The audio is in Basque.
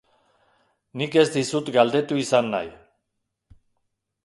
Nik ez dizut galdetu izan nahi.